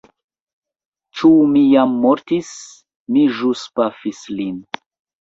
Ĉu mi jam mortis? Mi ĵus pafis lin.